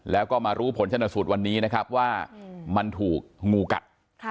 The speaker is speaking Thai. แล้วก็มารู้ผลชนสูตรวันนี้นะครับว่ามันถูกงูกัด